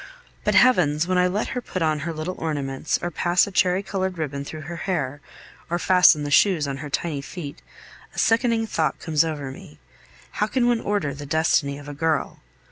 But, Heavens! when I let her put on her little ornaments, or pass a cherry colored ribbon through her hair, or fasten the shoes on her tiny feet, a sickening thought comes over me. How can one order the destiny of a girl?